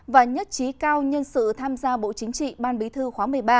và nhất trí cao nhân sự tham gia bộ chính trị ban bí thư khóa một mươi ba